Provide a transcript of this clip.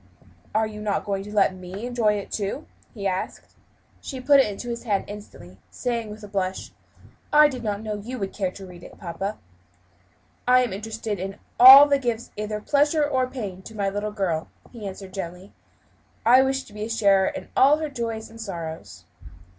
"Are you not going to let me enjoy it, too?" he asked. She put it into his hand instantly, saying, with a blush, "I did not know you would care to read it, papa." "I am interested in all that gives either pleasure or pain to my little girl," he answered gently. "I wish to be a sharer in all her joys and sorrows."